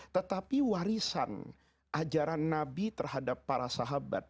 tetapi warisan ajaran nabi terhadap para sahabat